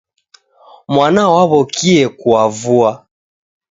Mwana waw'okie kuavua.